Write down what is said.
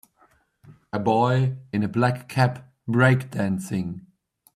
A boy in a black cap breakdancing